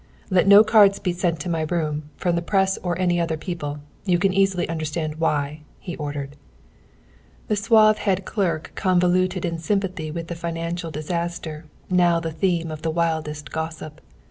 "Let no cards be sent to my room from the press or any other people. You can easily understand why!" he ordered. The suave head clerk convoluted in sympathy with the financial disaster, now the theme of the wildest gossip.